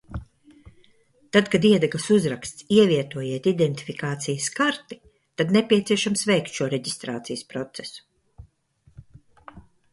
"Tad, kad iedegas uzraksts, "Ievietojiet identifikācijas karti", tad nepieciešams veikt šo reģistrācijas procesu."